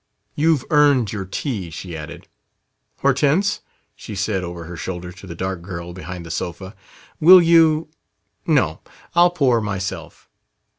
"You've earned your tea," she added. "Hortense," she said over her shoulder to the dark girl behind the sofa, "will you ? No; I'll pour, myself."